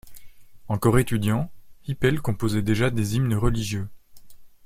Encore étudiant, Hippel composait déjà des hymnes religieux.